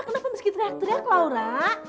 kenapa meski teriak teriak laura